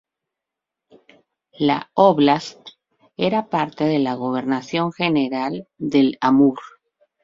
La óblast era parte de la gobernación general del Amur.